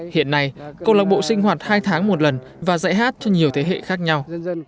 hiện nay câu lạc bộ sinh hoạt hai tháng một lần và dạy hát cho nhiều thế hệ khác nhau